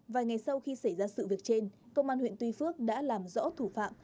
vài ngày sau khi xảy ra sự việc trên công an huyện tuy phước đã làm rõ thủ phạm